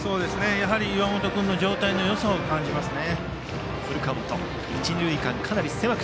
岩本君の状態のよさを感じますね。